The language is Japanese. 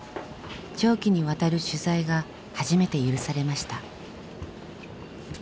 長期にわたる取材が初めて許されました。